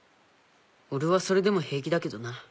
俺はそれでも平気だけどな。